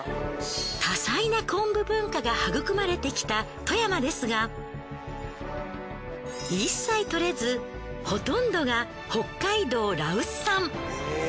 多彩な昆布文化が育まれてきた富山ですが一切採れずほとんどが北海道羅臼産。